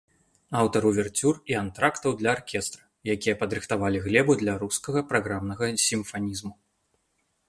Аўтар уверцюр і антрактаў для аркестра, якія падрыхтавалі глебу для рускага праграмнага сімфанізму.